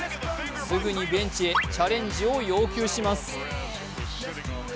すぐにベンチへ、チャレンジを要求します。